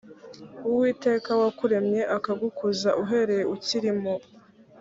uwiteka wakuremye akagukuza uhereye ukiri mu